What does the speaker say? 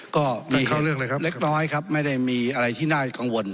ก็มีเหตุเล็กน้อยครับไม่ได้มีอะไรที่น่ากังวล